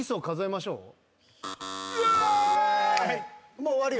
もう終わりよ。